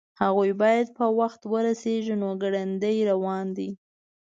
هغوی باید په وخت ورسیږي نو ګړندي روان دي